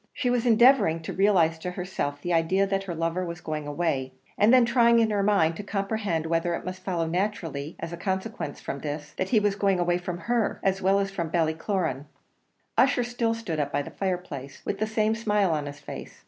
She was endeavouring to realize to herself the idea that her lover was going away, and then trying in her mind to comprehend whether it must follow naturally, as a consequence from this, that he was going away from her, as well as from Ballycloran. Ussher still stood up by the fireplace, with the same smile on his face.